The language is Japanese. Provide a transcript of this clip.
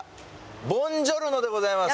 ボンジョルノでございます。